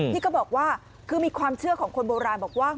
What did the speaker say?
พี่ก็บอกว่าคือมีความเชื่อของคนโบราณบอกว่า